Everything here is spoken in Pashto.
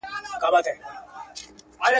پرون د جنوري پر یوولسمه ..